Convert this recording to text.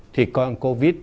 thì con covid